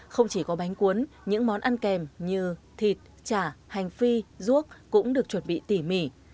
không chỉ có bánh cuốn những món ăn kèm như thịt chả hành phi ruốc cũng được chuẩn bị tỉ mỉ